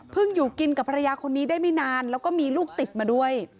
อยู่กินกับภรรยาคนนี้ได้ไม่นานแล้วก็มีลูกติดมาด้วย